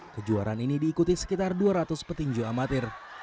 kejuaraan ini diikuti sekitar dua ratus petinju amatir